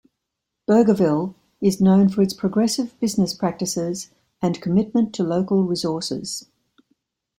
Burgerville is known for its progressive business practices and commitment to local resources.